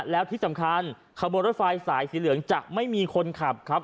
แล้วที่สำคัญขบวนรถไฟสายสีเหลืองจะไม่มีคนขับครับ